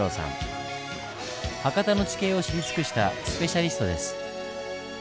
博多の地形を知り尽くしたスペシャリストです。